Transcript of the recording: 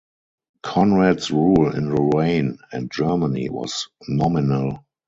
Conrad's rule in Lorraine and Germany was nominal.